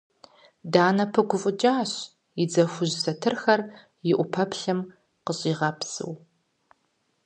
Данэ пыгуфӏыкӏащ, и дзэ хужь сэтырхэр и ӏупэплъым къыщӏигъэпсыу.